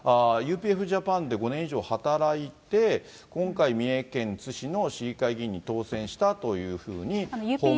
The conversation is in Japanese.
ＵＰＦジャパンで５年以上働いて、今回、三重県津市の市議会議員に当選したというふうに。